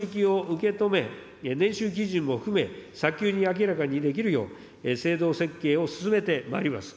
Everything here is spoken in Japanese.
頂いたご指摘を受け止め、年収基準も含め、早急に明らかにできるよう、制度設計を進めてまいります。